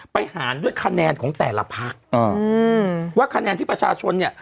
หารด้วยคะแนนของแต่ละพักว่าคะแนนที่ประชาชนเนี่ย